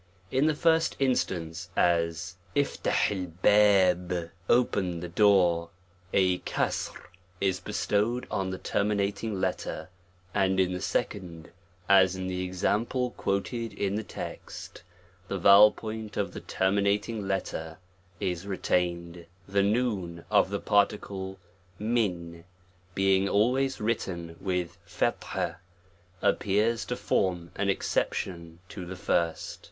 In the firs^fc instance, as u> IA) I ^o ) open the door^ a Kusr is bestowed on the terminating letter; and in the second, as in the example quoted in the text, the vowel point of the terminating letter, is retained. The ^ of the. particle y, being always written with Fut'hah, appears to form an exception to the first.